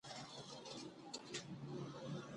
د افغانستان په منظره کې د پسونو شتون ښکاره دی.